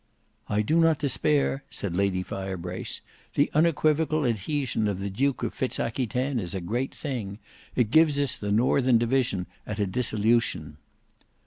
"I do not despair," said Lady Firebrace. "The unequivocal adhesion of the Duke of Fitz Aquitaine is a great thing. It gives us the northern division at a dissolution."